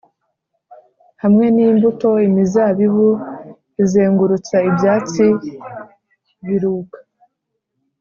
hamwe n'imbuto imizabibu izengurutsa ibyatsi biruka;